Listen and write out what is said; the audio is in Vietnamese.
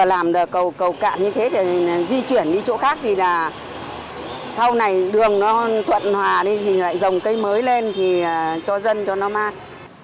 làm được cầu cầu cạn như thế để di chuyển đi chỗ khác thì là sau này đường nó thuận hòa đi thì lại dòng cây mới lên thì cho dân cho nó mát